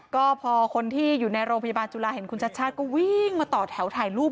ก็พอคนที่อยู่ในโรงพยาบาลจุฬาเห็นคุณชัดชาติก็วิ่งมาต่อแถวถ่ายรูป